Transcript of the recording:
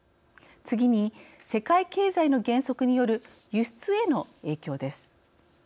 次に世界経済の減速による輸出への影響です。